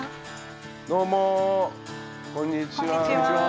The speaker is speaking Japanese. どうもこんにちは。